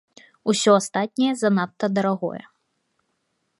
Усё астатняе занадта дарагое.